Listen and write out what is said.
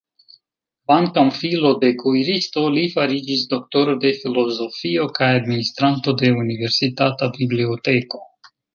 Kvankam filo de kuiristo, li fariĝis doktoro de filozofio kaj administranto de universitata biblioteko.